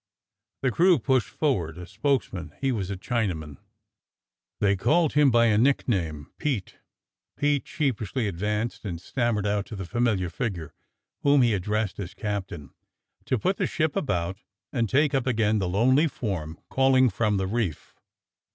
The crew pushed forward a spokesman: he was a Chinaman — they called him by a nickname — Pete. Pete sheepishly advanced and stammered out to the familiar figure, whom he addressed as "Captain," to put the ship about, and take up again the lonely form calling from the reef.